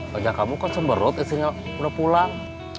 lajar kamu kan cemberut istrinya udah pulang